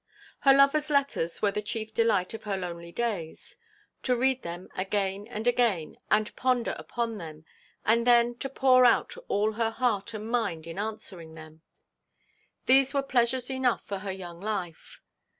Her lover's letters were the chief delight of her lonely days. To read them again and again, and ponder upon them, and then to pour out all her heart and mind in answering them. These were pleasures enough for her young life.